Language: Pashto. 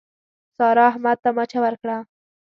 سارا، احمد ته مچه ورکړه.